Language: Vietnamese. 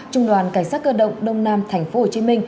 trung đoàn cảnh sát cơ động đông nam tp hcm